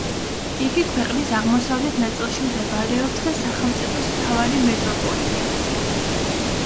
იგი ქვეყნის აღმოსავლეთ ნაწილში მდებარეობს და სახელმწიფოს მთავარი მეტროპოლია.